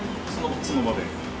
その場で？